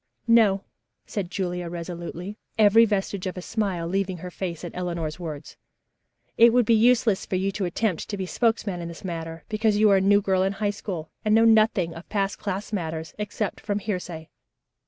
"No," said Julia resolutely, every vestige of a smile leaving her face at Eleanor's words. "It would be useless for you to attempt to be spokesman in this matter, because you are a new girl in High School and know nothing of past class matters except from hearsay.